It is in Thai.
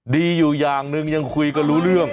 ดีอยู่อย่างหนึ่งยังคุยกันรู้เรื่อง